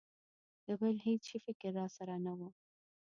د بل هېڅ شي فکر را سره نه و.